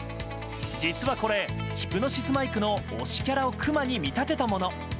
実はこれ「ヒプノシスマイク」の推しキャラをクマに見立てたもの。